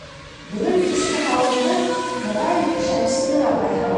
Бөгөн киске һауынды, моғайын, Шәмсинур апай һауыр.